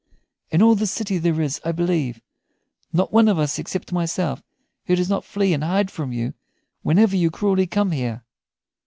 In all this city there is, I believe, not one of us except myself who does not flee and hide from you whenever you cruelly come here.